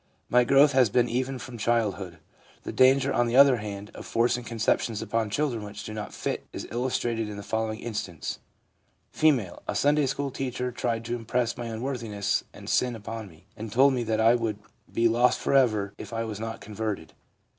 My growth has been even from childhood/ The danger, on the other hand, of forcing conceptions upon children which do not fit is illustrated in the following instance : F. { A Sunday school teacher tried to impress my unworthiness and sin upon me, and told me that I would be lost for ever if I was not converted.